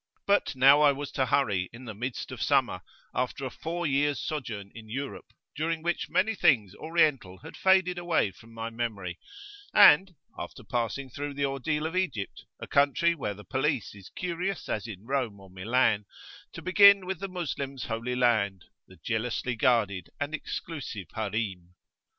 But now I was to hurry, in the midst of summer, after a four years' sojourn in Europe, during which many things Oriental had faded away from my memory, and after passing through the ordeal of Egypt, a country where the police is curious as in Rome or Milan to begin with the Moslem's Holy Land, the jealously guarded and exclusive Harim.